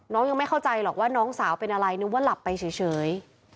ยังไม่เข้าใจหรอกว่าน้องสาวเป็นอะไรนึกว่าหลับไปเฉย